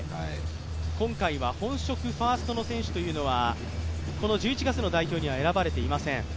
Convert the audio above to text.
今回は本職ファーストの選手というのはこの１１月の代表には選ばれていません。